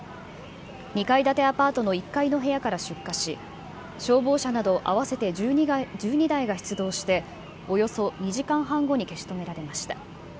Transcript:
２階建てアパートの１階の部屋から出火し、消防車など合わせて１２台が出動して、およそ２時間半後に消し止められました。